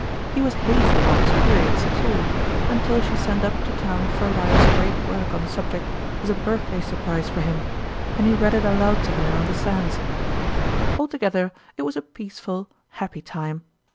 He was hazy about his fonril) Cheque. 79 periods, too, until she sent up to town for Lyell's great work on the subject as a birth day surprise for him, and he read it aloud to her on the sands. Altogether, it was a peace ful, happy time.